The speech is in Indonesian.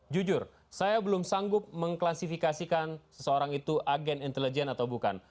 jujur saya belum sanggup mengklasifikasikan seseorang itu agen intelijen atau bukan